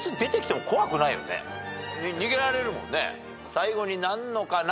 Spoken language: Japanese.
最後になんのかな？